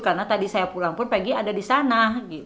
karena tadi saya pulang pun peggy ada di sana